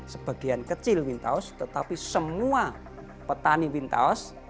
sebagian kecil wintaos tetapi semua petani wintaos